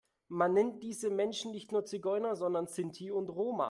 Man nennt diese Menschen nicht mehr Zigeuner, sondern Sinti und Roma.